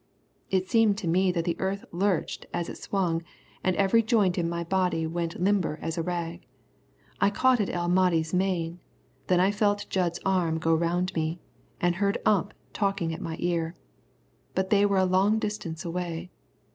It seemed to me that the earth lurched as it swung, and every joint in my body went limber as a rag. I caught at El Mahdi's mane, then I felt Jud's arm go round me, and heard Ump talking at my ear. But they were a long distance away.